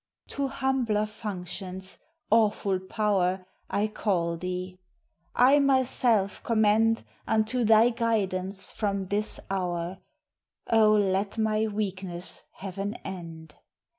To humbler functions, awful power! I call thee: I myself commend Unto thy guidance from this hour; Oh, let my weakness have an end!